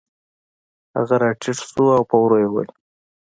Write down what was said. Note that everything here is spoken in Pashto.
هغه راټیټ شو او په ورو یې وویل